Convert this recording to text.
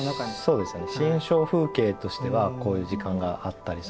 そうですね。